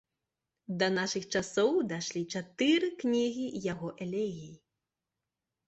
Да нашых часоў дайшлі чатыры кнігі яго элегій.